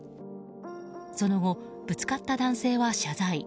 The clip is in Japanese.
その後、ぶつかった男性は謝罪。